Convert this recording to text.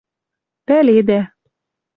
пӓледӓ